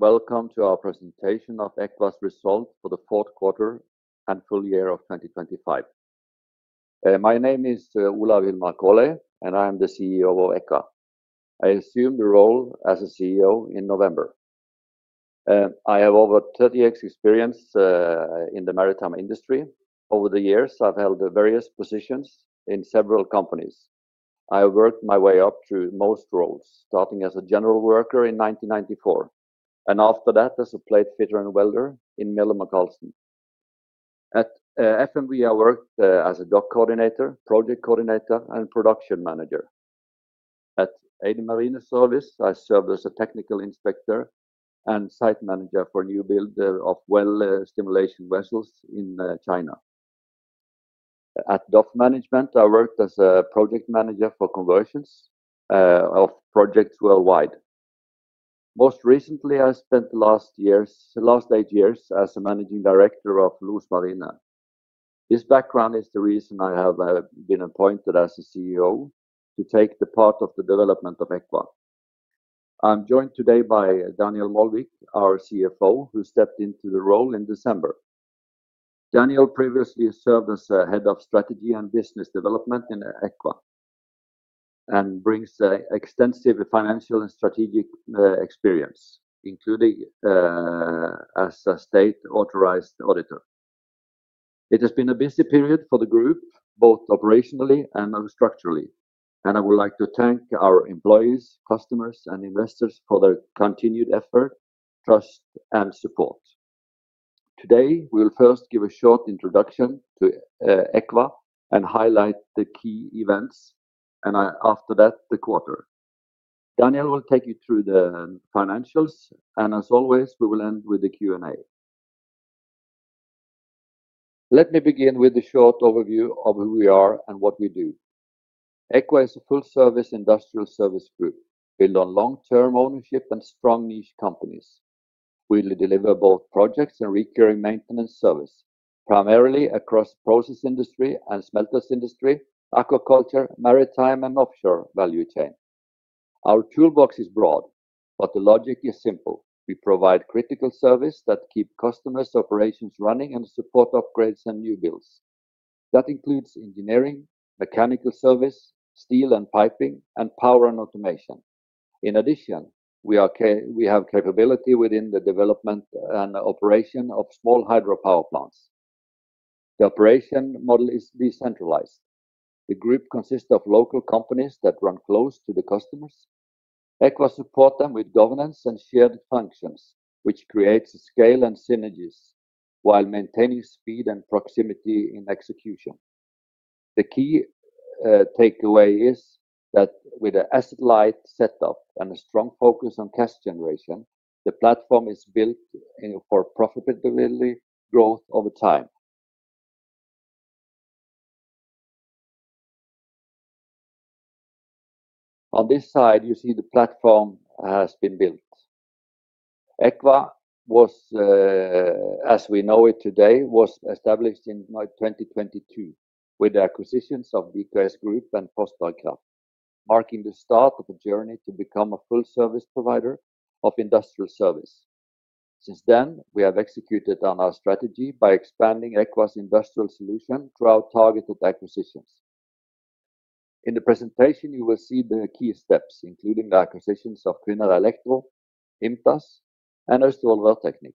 Welcome to our presentation of Eqva's results for the Fourth Quarter and Full Year of 2025. My name is Olav Ingar Kolle, and I am the CEO of Eqva. I assumed the role as a CEO in November. I have over 30 years experience in the maritime industry. Over the years, I've held various positions in several companies. I worked my way up through most roles, starting as a general worker in 1994, and after that, as a plate fitter and welder in Miller McAlester. At FMV, I worked as a dock coordinator, project coordinator, and production manager. At Eide Marine Services, I served as a Technical Inspector and Site Manager for new build of well stimulation vessels in China. At Dock Management, I worked as a Project Manager for conversions of projects worldwide. Most recently, I spent the last eight years as a Managing Director of LOS Marine. This background is the reason I have been appointed as a CEO to take the part of the development of Eqva. I'm joined today by Daniel Mölvik, our CFO, who stepped into the role in December. Daniel previously served as Head of Strategy and Business Development in Eqva, and brings extensive financial and strategic experience, including as a state-authorized auditor. It has been a busy period for the group, both operationally and structurally. I would like to thank our employees, customers, and investors for their continued effort, trust, and support. Today, we'll first give a short introduction to Eqva and highlight the key events. After that, the quarter. Daniel will take you through the financials. As always, we will end with a Q&A. Let me begin with a short overview of who we are and what we do. Eqva is a full-service industrial service group, built on long-term ownership and strong niche companies. We deliver both projects and recurring maintenance service, primarily across the process industry and smelters industry, aquaculture, maritime, and offshore value chain. Our toolbox is broad. The logic is simple: We provide critical service that keeps customers' operations running and support upgrades and new builds. That includes engineering, mechanical service, steel and piping, and power and automation. In addition, we have the capability within the development and operation of small hydropower plants. The operation model is decentralized. The group consists of local companies that run close to the customers. Eqva supports them with governance and shared functions, which creates scale and synergies while maintaining speed and proximity in execution. The key takeaway is that with an asset-light setup and a strong focus on cash generation, the platform is built for profitability growth over time. On this side, you see the platform has been built. Eqva was, as we know it today, was established in 2022 with the acquisitions of BKS Group and Fossbergkraft, marking the start of a journey to become a full-service provider of Industrial Solutions. Since then, we have executed on our strategy by expanding Eqva's Industrial Solutions through our targeted acquisitions. In the presentation, you will see the key steps, including the acquisitions of Kvinnherad Elektro, IMTAS Group, and Austevoll Rørteknikk.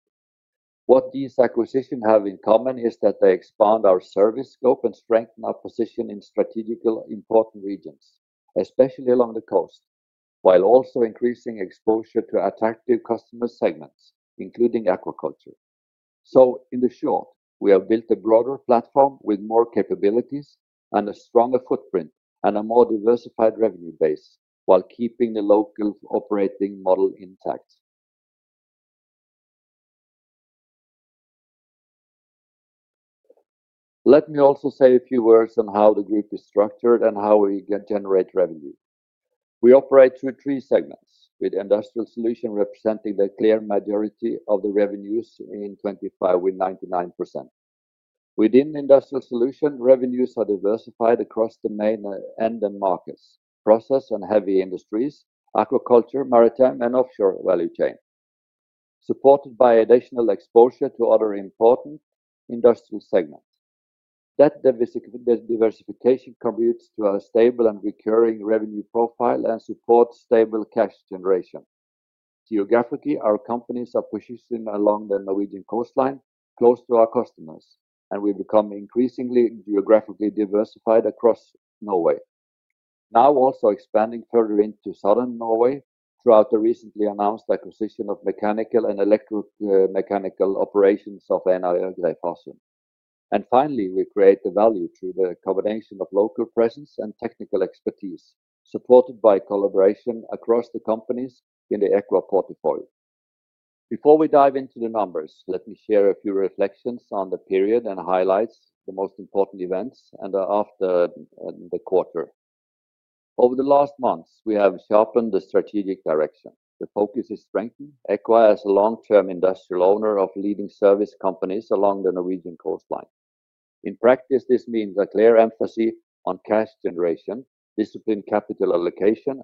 What these acquisitions have in common is that they expand our service scope and strengthen our position in strategically important regions, especially along the coast, while also increasing exposure to attractive customer segments, including aquaculture. In short, we have built a broader platform with more capabilities and a stronger footprint, and a more diversified revenue base, while keeping the local operating model intact. Let me also say a few words on how the group is structured and how we generate revenue. We operate through three segments, with Industrial Solutions representing the clear majority of the revenues in 25, with 99%. Within Industrial Solutions, revenues are diversified across the main end markets: process and heavy industries, aquaculture, maritime, and offshore value chain, supported by additional exposure to other important industrial segments. That diversification contributes to a stable and recurring revenue profile and supports stable cash generation. Geographically, our companies are positioned along the Norwegian coastline, close to our customers, and we've become increasingly geographically diversified across Norway. Now, also expanding further into southern Norway through the recently announced acquisition of the mechanical and electromechanical operations of Einar Øgrey Farsund. Finally, we create value through the combination of local presence and technical expertise, supported by collaboration across the companies in the Eqva portfolio. Before we dive into the numbers, let me share a few reflections on the period and highlights, the most important events, and after the quarter. Over the last few months, we have sharpened the strategic direction. The focus is strengthened. Eqva is a long-term industrial owner of leading service companies along the Norwegian coastline. In practice, this means a clear emphasis on cash generation, disciplined capital allocation,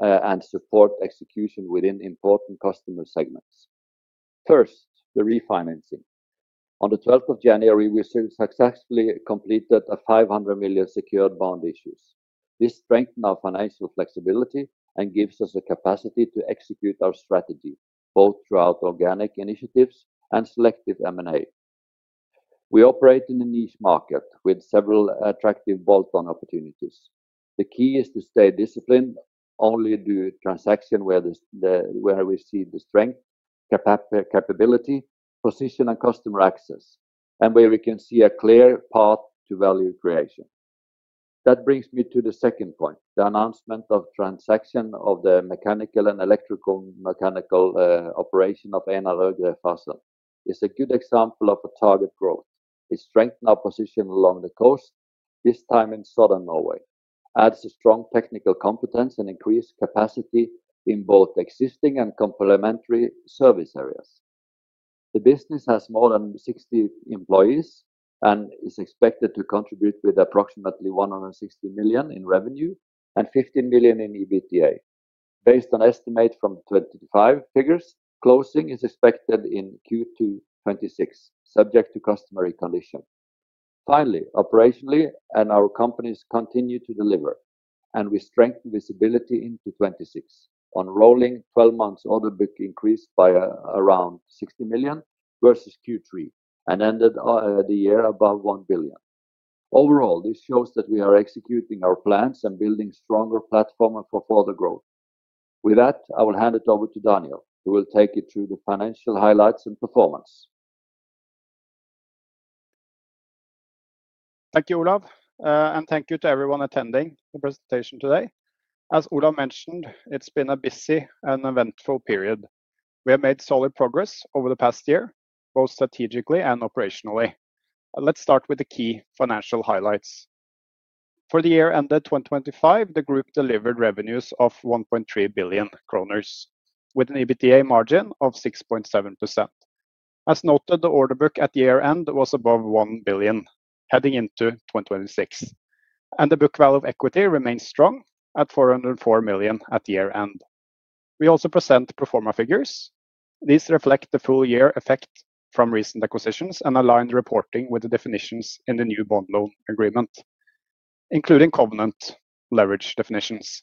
and targeted acquisitions that reinforce our position and support execution within important customer segments. First, the refinancing. On the twelfth of January, we successfully completed a 500 million secured bond issue. This strengthens our financial flexibility and gives us the capacity to execute our strategy, both through organic initiatives and selective M&A. We operate in a niche market with several attractive bolt-on opportunities. The key is to stay disciplined, only do transactions where we see the strength, capability, position, and customer access, and where we can see a clear path to value creation. That brings me to the second point: the announcement of the transaction of the mechanical and electrical, mechanical operation of Einar Øgrey Farsund. It's a good example of a target for growth. It strengthens our position along the coast, this time in southern Norway, adds a strong technical competence and increased capacity in both existing and complementary service areas. The business has more than 60 employees and is expected to contribute approximately 160 million in revenue and 50 million in EBITDA. Based on the estimate from 2025 figures, closing is expected in Q2 2026, subject to customary conditions. Operationally, our companies continue to deliver, and we strengthen visibility into 2026. Rolling, 12-month order book increased by around 60 million versus Q3 and ended the year above 1 billion. This shows that we are executing our plans and building a stronger platform for further growth. I will hand it over to Daniel, who will take you through the financial highlights and performance. Thank you, Olav, and thank you to everyone attending the presentation today. As Olav mentioned, it's been a busy and eventful period. We have made solid progress over the past year, both strategically and operationally. Let's start with the key financial highlights. For the year ended 2025, the group delivered revenues of 1.3 billion kroner, with an EBITDA margin of 6.7%. As noted, the order book at the year-end was above 1 billion, heading into 2026, and the book value of equity remains strong at 404 million at year-end. We also present the pro forma figures. These reflect the full-year effect from recent acquisitions and align the reporting with the definitions in the new bond loan agreement, including covenant leverage definitions.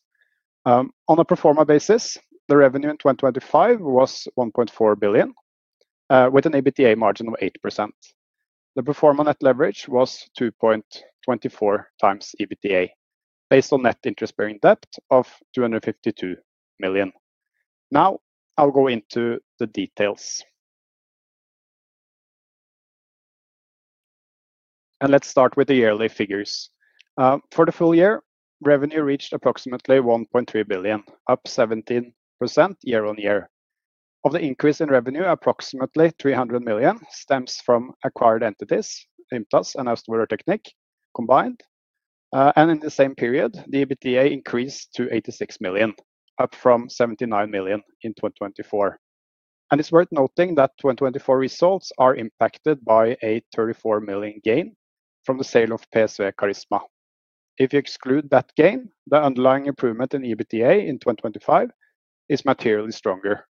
On a pro forma basis, the revenue in 2025 was 1.4 billion, with an EBITDA margin of 8%. The pro forma net leverage was 2.24x EBITDA, based on net interest-bearing debt of 252 million. I'll go into the details. Let's start with the yearly figures. For the full year, revenue reached approximately 1.3 billion, up 17% year-on-year. Of the increase in revenue, approximately 300 million stems from acquired entities, IMTAS Group and Austevoll Rørteknikk, combined. In the same period, the EBITDA increased to 86 million, up from 79 million in 2024. It's worth noting that the 2024 results are impacted by a 34 million gain from the sale of PSV Havila Charisma. If you exclude that gain, the underlying improvement in EBITDA in 2025 is materially stronger.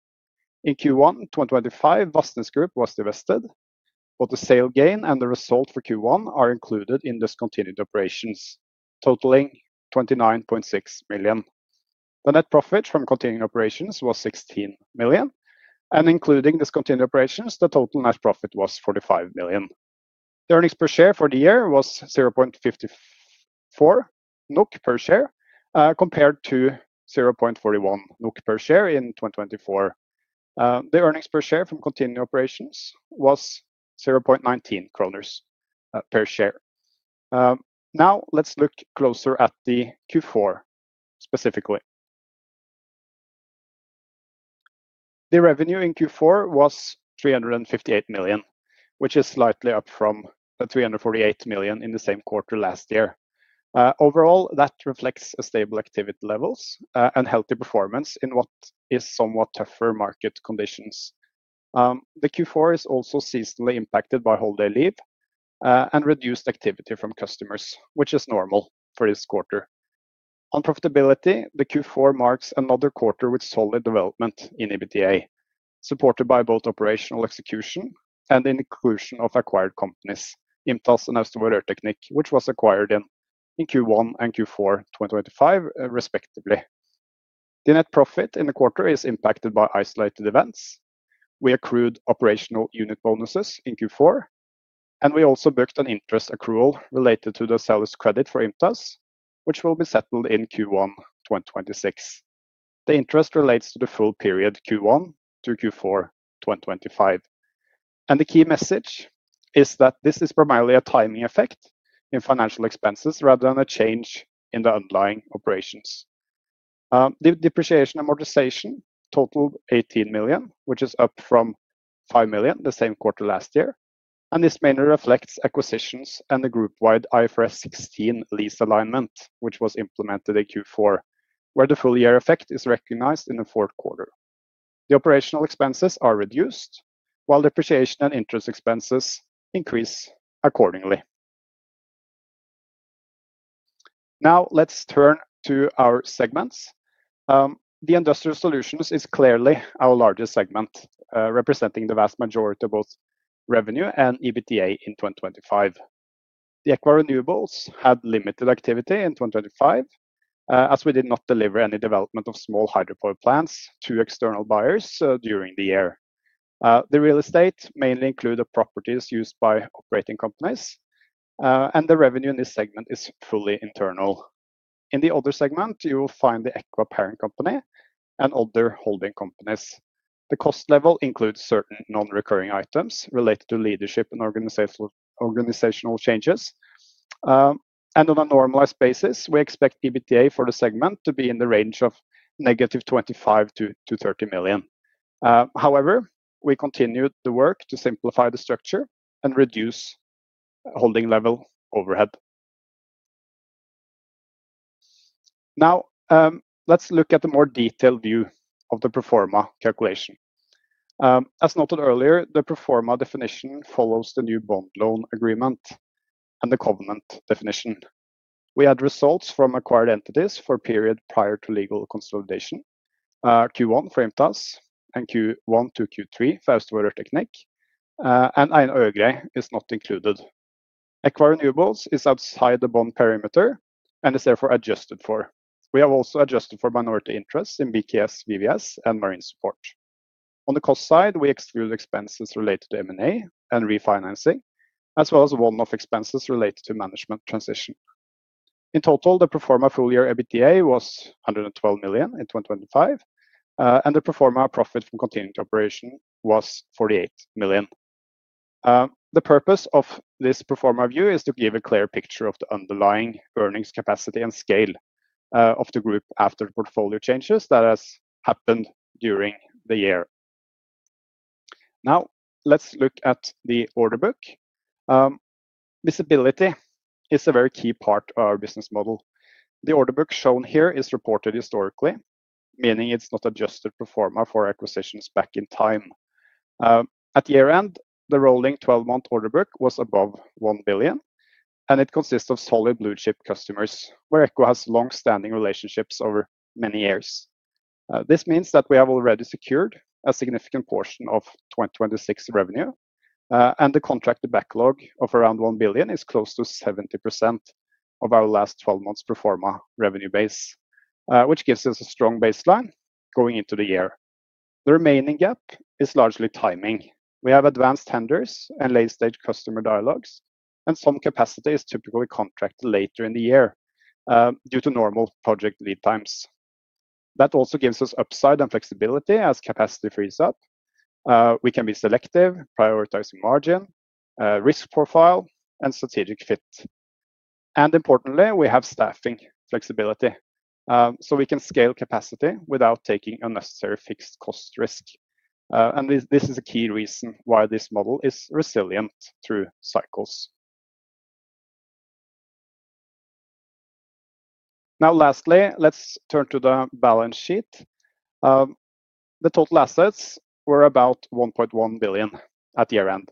In Q1 2025, Vassnes Group was divested, but the sale gain and the result for Q1 are included in discontinued operations, totaling 29.6 million. The net profit from continuing operations was 16 million, and including discontinued operations, the total net profit was 45 million. The earnings per share for the year were 0.54 NOK per share, compared to 0.41 NOK per share in 2024. The earnings per share from continuing operations was 0.19 kroner per share. Now let's look closer at Q4, specifically. The revenue in Q4 was 358 million, which is slightly up from the 348 million in the same quarter last year. Overall, that reflects stable activity levels and healthy performance in what are somewhat tougher market conditions. The Q4 is also seasonally impacted by holiday leave and reduced activity from customers, which is normal for this quarter. On profitability, the Q4 marks another quarter with solid development in EBITDA, supported by both operational execution and the inclusion of acquired companies, IMTAS and Austevoll Rørteknikk, which were acquired in Q1 and Q4 2025, respectively. The net profit in the quarter is impacted by isolated events. We accrued operational unit bonuses in Q4, and we also booked an interest accrual related to the seller's credit for IMTAS, which will be settled in Q1 2026. The interest relates to the full period, Q1 to Q4 2025. The key message is that this is primarily a timing effect in financial expenses rather than a change in the underlying operations. The depreciation and amortization totaled 18 million, which is up from 5 million in the same quarter last year. This mainly reflects acquisitions and the group-wide IFRS 16 lease alignment, which was implemented in Q4, where the full-year effect is recognized in the fourth quarter. The operational expenses are reduced, while depreciation and interest expenses increase accordingly. Let's turn to our segments. The Industrial Solutions is clearly our largest segment, representing the vast majority of both revenue and EBITDA in 2025. Eqva Renewables had limited activity in 2025, as we did not deliver any development of small hydropower plants to external buyers during the year. The real estate mainly includes the properties used by operating companies, and the revenue in this segment is fully internal. In the other segment, you will find the Eqva parent company and other holding companies. The cost level includes certain non-recurring items related to leadership and organizational changes. On a normalized basis, we expect EBITDA for the segment to be in the range of negative 25 million to 30 million. However, we continued the work to simplify the structure and reduce holding level overhead. Now, let's look at the more detailed view of the pro forma calculation. As noted earlier, the pro forma definition follows the new bond loan agreement and the covenant definition. We had results from acquired entities for the period prior to legal consolidation. Q1 IMTAS and Q1-Q3, Austevoll Rørteknikk, and Einar Øgrey is not included. Eqva Renewables is outside the bond perimeter and is therefore adjusted for. We have also adjusted for minority interests in BKS, VVS, and Marine Support. On the cost side, we exclude expenses related to M&A and refinancing, as well as one-off expenses related to management transition. In total, the pro forma full-year EBITDA was 112 million in 2025. The pro forma profit from continuing operations was 48 million. The purpose of this pro forma view is to give a clear picture of the underlying earnings capacity and scale of the group after the portfolio changes that have happened during the year. Let's look at the order book. Visibility is a key part of our business model. The order book shown here is reported historically, meaning it's not adjusted pro forma for acquisitions back in time. At the year-end, the rolling twelve-month order book was above 1 billion, and it consists of solid blue-chip customers, with whom Eqva has long-standing relationships over many years. This means that we have already secured a significant portion of 2026 revenue, and the contracted backlog of around 1 billion is close to 70% of our last twelve months' pro forma revenue base, which gives us a strong baseline going into the year. The remaining gap is largely timing. We have advanced tenders and late-stage customer dialogues, and some capacity is typically contracted later in the year, due to normal project lead times. That also gives us upside and flexibility as capacity frees up. We can be selective, prioritizing margin, risk profile, and strategic fit. Importantly, we have staffing flexibility, so we can scale capacity without taking unnecessary fixed cost risk. This is a key reason why this model is resilient through cycles. Now, lastly, let's turn to the balance sheet. The total assets were about 1.1 billion at year-end,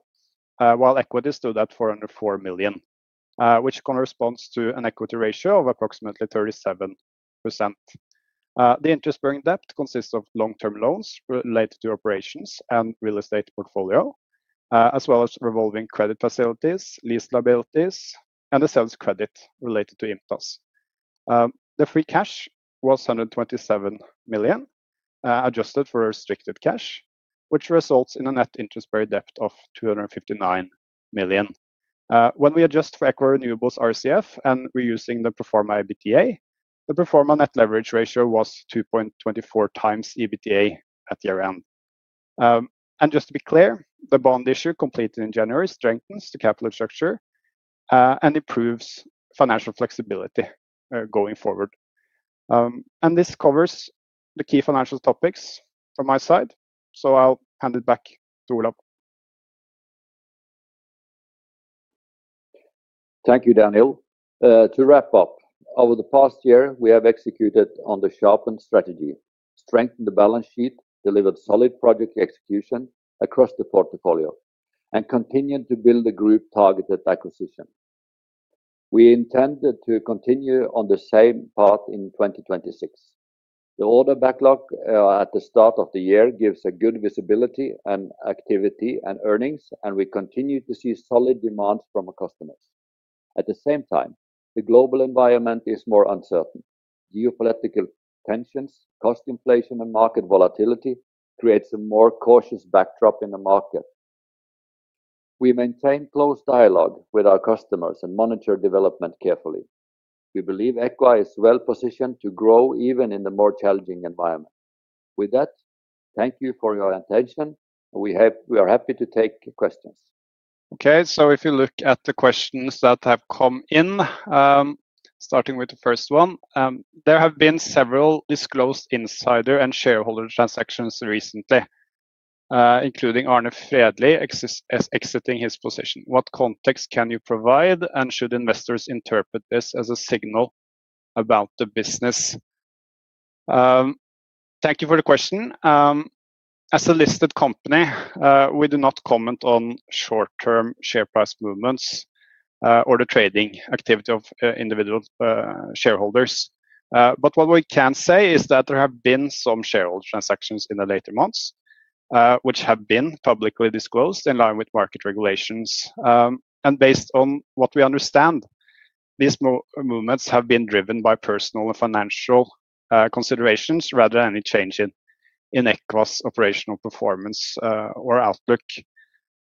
while equity stood at 404 million, which corresponds to an equity ratio of approximately 37%. The interest-bearing debt consists of long-term loans related to operations and the real estate portfolio, as well as revolving credit facilities, lease liabilities, and the seller's credit related to IMTAS. The free cash was 127 million, adjusted for restricted cash, which results in a net interest-bearing debt of 259 million. When we adjust for Eqva Renewables RCF, and we're using the pro forma EBITDA, the pro forma net leverage ratio was 2.24x EBITDA at the year-end. Just to be clear, the bond issue completed in January strengthens the capital structure and improves financial flexibility going forward. This covers the key financial topics from my side. I'll hand it back to Olav. Thank you, Daniel. To wrap up, over the past year, we have executed on the sharpened strategy, strengthened the balance sheet, delivered solid project execution across the portfolio, and continued to build a group-targeted acquisition. We intend to continue on the same path in 2026. The order backlog at the start of the year gives good visibility and activity and earnings, and we continue to see solid demand from our customers. At the same time, the global environment is more uncertain. Geopolitical tensions, cost inflation, and market volatility create a more cautious backdrop in the market. We maintain close dialogue with our customers and monitor development carefully. We believe Eqva is well-positioned to grow even in a more challenging environment. With that, thank you for your attention. We are happy to take questions. Okay, if you look at the questions that have come in, starting with the first one, there have been several disclosed insider and shareholder transactions recently, including Arne Fredly exiting his position. What context can you provide, and should investors interpret this as a signal about the business? Thank you for the question. As a listed company, we do not comment on short-term share price movements or the trading activity of individual shareholders. What we can say is that there have been some shareholder transactions in the latter months, which have been publicly disclosed in line with market regulations. Based on what we understand, these movements have been driven by personal and financial considerations rather than any change in Eqva's operational performance or outlook.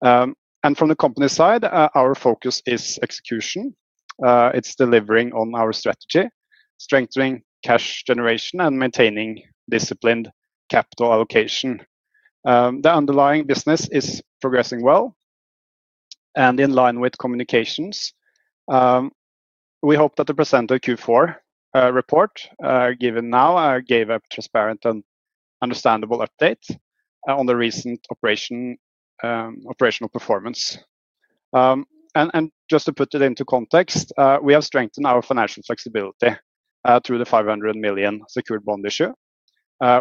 From the company side, our focus is execution. It's delivering on our strategy, strengthening cash generation, and maintaining disciplined capital allocation. The underlying business is progressing well and in line with communications. We hope that the presenter's Q4 report, given now, gave a transparent and understandable update on the recent operation and operational performance. Just to put it into context, we have strengthened our financial flexibility through the 500 million secured bond issue.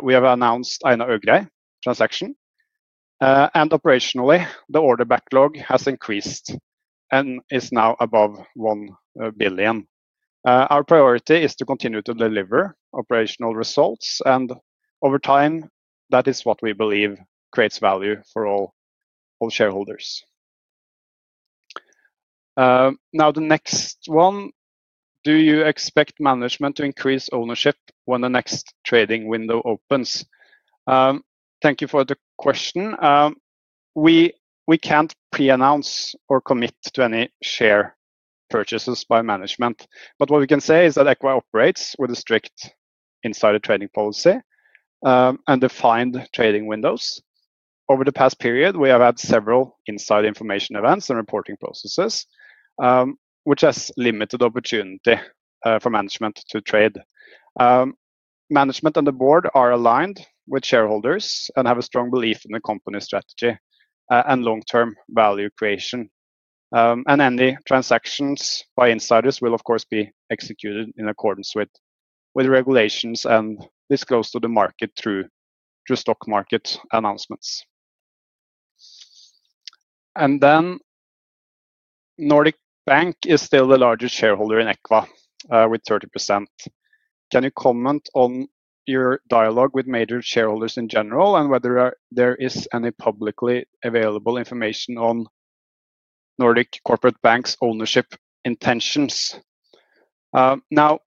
We have announced the Einar Øgrey transaction. Operationally, the order backlog has increased and is now above 1 billion. Our priority is to continue to deliver operational results, over time, which is what we believe creates value for all shareholders. Now, the next one: Do you expect management to increase ownership when the next trading window opens? Thank you for the question. We can't pre-announce or commit to any share purchases by management, but what we can say is that Eqva operates with a strict insider trading policy and defined trading windows. Over the past period, we have had several inside information events and reporting processes, which has limited opportunity for management to trade. Management and the board are aligned with shareholders and have a strong belief in the company's strategy and long-term value creation. Any transactions by insiders will, of course, be executed in accordance with regulations, and this goes to the market through the stock market announcements. Nordic Corporate Bank is still the largest shareholder in Eqva with 30%. Can you comment on your dialogue with major shareholders in general, and whether there is any publicly available information on Nordic Corporate Bank's ownership intentions? Now,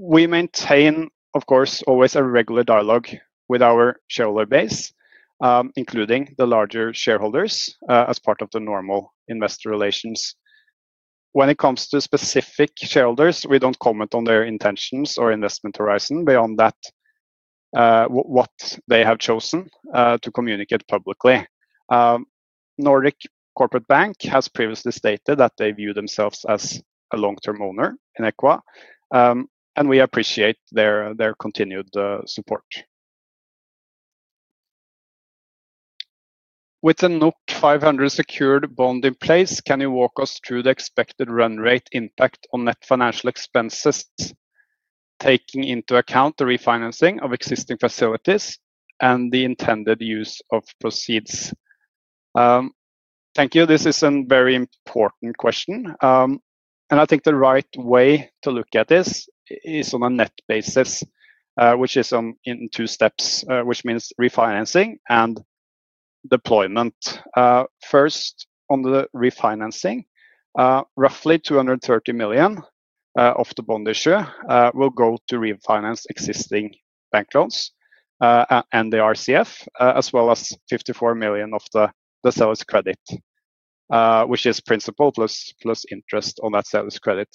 we maintain, of course, always a regular dialogue with our shareholder base, including the larger shareholders, as part of the normal investor relations. When it comes to specific shareholders, we don't comment on their intentions or investment horizon beyond what they have chosen to communicate publicly. Nordic Corporate Bank has previously stated that they view themselves as a long-term owner in Eqva, and we appreciate their continued support. With the 500 secured bond in place, can you walk us through the expected run rate impact on net financial expenses, taking into account the refinancing of existing facilities and the intended use of proceeds? Thank you. This is a very important question. I think the right way to look at this is on a net basis, which is in two steps, which means refinancing and deployment. On the refinancing, roughly 230 million of the bond issue will go to refinance existing bank loans and the RCF, as well as 54 million of the seller's credit, which is principal plus interest on that seller's credit.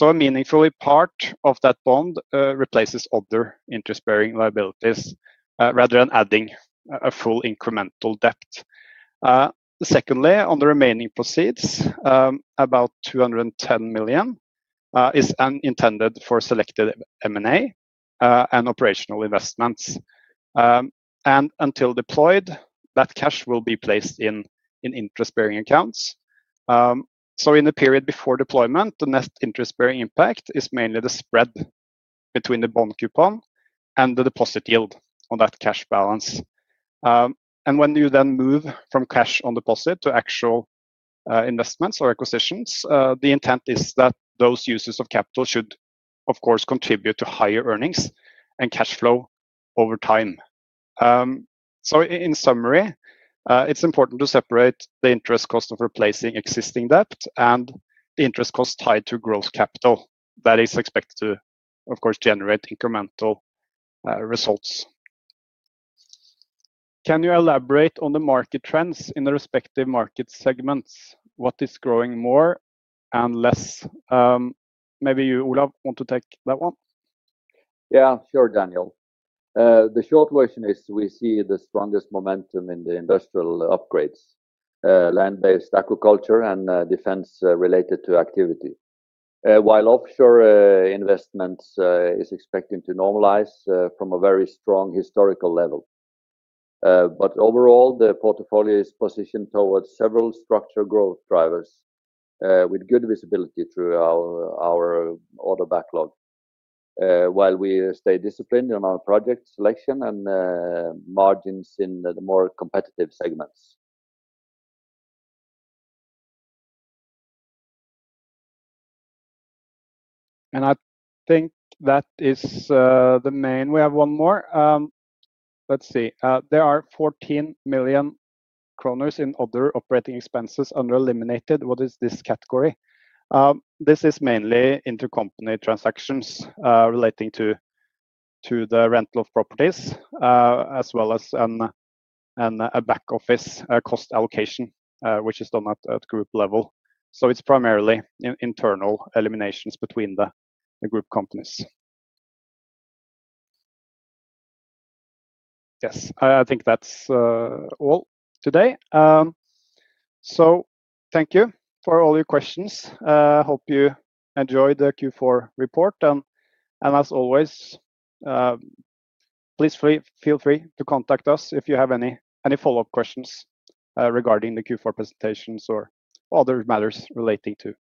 A meaningful part of that bond replaces other interest-bearing liabilities rather than adding a full incremental debt. On the remaining proceeds, about 210 million is intended for selected M&A and operational investments. Until deployed, that cash will be placed in interest-bearing accounts. In the period before deployment, the net interest-bearing impact is mainly the spread between the bond coupon and the deposit yield on that cash balance. When you then move from cash on deposit to actual investments or acquisitions, the intent is that those users of capital should, of course, contribute to higher earnings and cash flow over time. In summary, it's important to separate the interest cost of replacing existing debt and the interest cost tied to growth capital. That is expected to, of course, generate incremental results. Can you elaborate on the market trends in the respective market segments? What is growing more and less? Maybe you, Olav, want to take that one. Sure, Daniel. The short version is we see the strongest momentum in the industrial upgrades, land-based aquaculture, and defense-related activity. While offshore investments is expected to normalize from a very strong historical level. Overall, the portfolio is positioned towards several structural growth drivers, with good visibility through our order backlog, while we stay disciplined on our project selection and margins in the more competitive segments. I think that is the main. We have one more. Let's see. There are 14 million kroner in other operating expenses under eliminated. What is this category? This is mainly intercompany transactions relating to the rental of properties, as well as a back office cost allocation, which is done at the group level. It's primarily internal eliminations between the group companies. Yes, I think that's all for today. Thank you for all your questions. Hope you enjoyed the Q4 Report. As always, please feel free to contact us if you have any follow-up questions regarding the Q4 presentations or other matters relating to Eqva.